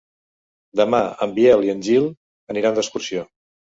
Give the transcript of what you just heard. Demà en Biel i en Gil aniran d'excursió.